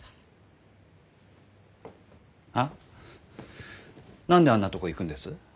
あ？何であんなとこ行くんです？